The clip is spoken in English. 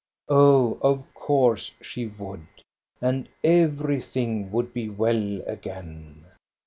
Oh, of course she would. And everything would be well again.